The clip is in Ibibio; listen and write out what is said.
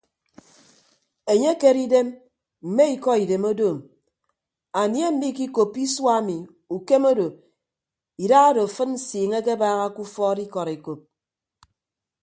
Enye ekere idem mme ikọ idem odoom anie mmikikoppo isua ami ukem odo idahado afịd nsiiñe akebaaha ke ufọọd ikọd ekop.